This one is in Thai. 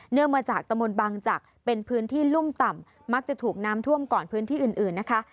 มาจากตะมนต์บางจักรเป็นพื้นที่รุ่มต่ำมักจะถูกน้ำท่วมก่อนพื้นที่อื่นนะคะ